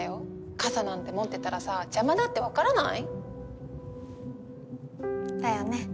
傘なんて持ってたらさ邪魔だって分からない？だよね。